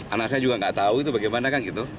anak saya juga gak tau itu bagaimana kan gitu